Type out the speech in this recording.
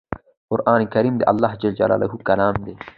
قرآن کریم د الله ج کلام دی